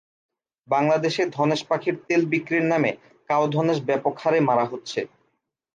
বাংলাদেশে ধনেশ পাখির তেল বিক্রির নামে কাও ধনেশ ব্যাপক হারে মারা হচ্ছে।